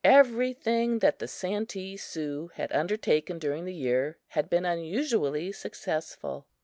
Everything that the Santee Sioux had undertaken during the year had been unusually successful.